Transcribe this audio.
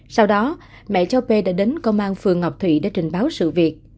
sau đó mẹ cho p đã đến công an phường ngọc thụy để trình báo sự việc